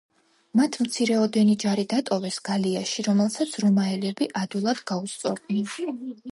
მათ მცირეოდენი ჯარი დატოვეს გალიაში, რომელსაც რომაელები ადვილად გაუსწორდნენ.